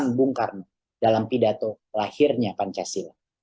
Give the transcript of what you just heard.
dan pesan bungkarnya dalam pidato lahirnya pancasila